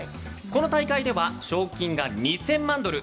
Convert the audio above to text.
この大会では賞金が２０００万ドル。